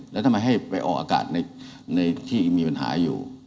แล้วทำไมให้ไปออกอากาศในที่มีปัญหาอยู่